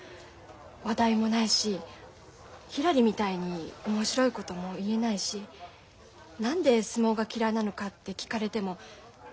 話題もないしひらりみたいに面白いことも言えないし何で相撲が嫌いなのかって聞かれてもちゃんと答えられないし。